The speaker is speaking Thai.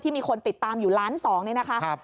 ที่มีคนติดตามอยู่ล้านสองนะคะ